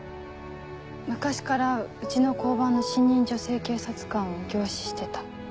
昔からうちの交番の新任女性警察官を凝視してた。